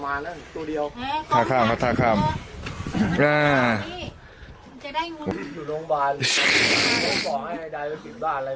มันจะได้มุมอยู่โรงพยาบาลบอกให้ไอ้ใดว่าสิบบ้านอะไร